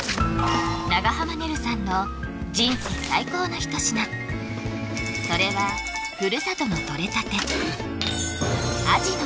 長濱ねるさんの人生最高の一品それはふるさとのとれたて